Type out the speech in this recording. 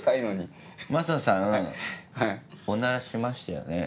升野さんおならしましたよね？